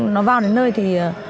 nó vào đến nơi thì